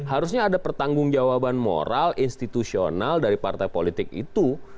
harusnya ada pertanggung jawaban moral institusional dari partai politik itu